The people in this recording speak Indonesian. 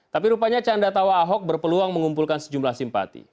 tapi rupanya canda tawa ahok berpeluang mengumpulkan sejumlah simpati